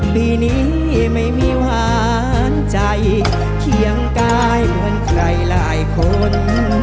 ปีนี้ไม่มีหวานใจเคียงกายเหมือนใครหลายคน